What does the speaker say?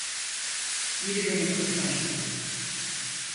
Biri beni kurtarsın!